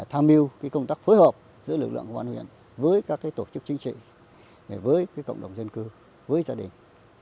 tham mưu công tác phối hợp giữa lực lượng công an huyện với các tổ chức chính trị với cộng đồng dân cư với gia đình